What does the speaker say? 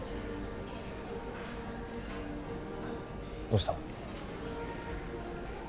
どうした？